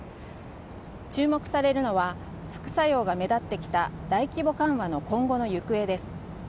注目されるのは、副作用が目立ってきた大規模緩和の今後の行方です。